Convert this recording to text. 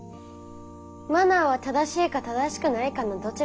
「マナー」は「正しい」か「正しくない」かのどちらかです。